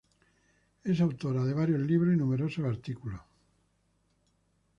Es autora de varios libros y numerosos artículos.